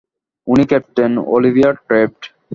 উনি captain Olivia theft.